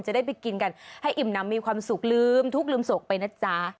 จะได้ไปกินกันให้อิ่มน้ำมีความสุขลืมทุกข์ลืมโศกไปนะจ๊ะ